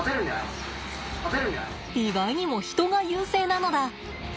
意外にもヒトが優勢なのだ。